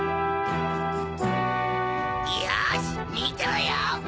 よしみてろよ！